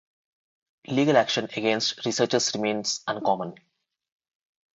Legal action against researchers remains uncommon.